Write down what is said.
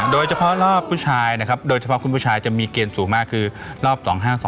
โดยเฉพาะรอบผู้ชายนะครับโดยเฉพาะคุณผู้ชายจะมีเกณฑ์สูงมากคือรอบ๒๕๒